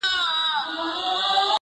یا شیدې اچوئ